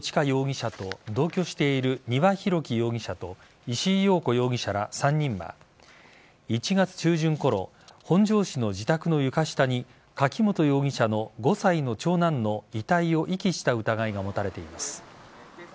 容疑者と同居している丹羽洋樹容疑者と石井陽子容疑者ら３人は１月中旬ごろ本庄市の自宅の床下に柿本容疑者の５歳の長男の遺体を遺棄した疑いが持たれています。